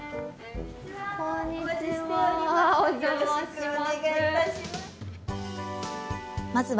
こんにちは。